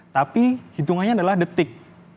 tapi hitungannya adalah detik